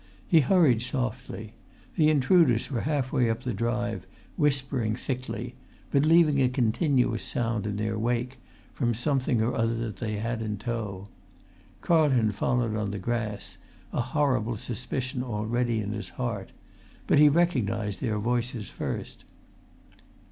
He hurried softly. The intruders were half way up the drive, whispering thickly, but leaving a continuous sound in their wake, from something or other that they had in tow. Carlton followed on the grass, a horrible suspicion already in his heart; but he recognised their voices first.